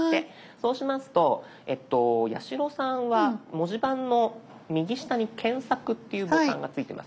そうしますと八代さんは文字盤の右下に「検索」っていうボタンがついてますよね。